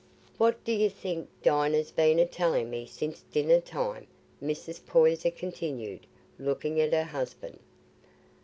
"What do you think Dinah's been a telling me since dinner time?" Mrs. Poyser continued, looking at her husband.